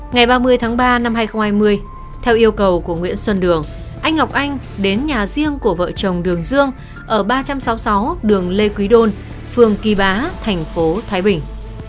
ngày ba mươi tháng ba năm hai nghìn hai mươi theo yêu cầu của nguyễn xuân đường anh ngọc anh đến nhà riêng của vợ chồng đường dương ở ba trăm sáu mươi sáu đường lê quý đôn phường kỳ bá thành phố thái bình